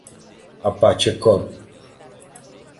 Apache Corp.